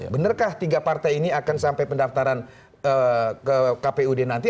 benarkah tiga partai ini akan sampai pendaftaran ke kpud nanti